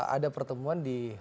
ada pertemuan di cikeas